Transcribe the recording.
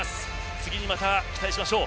次にまた期待しましょう。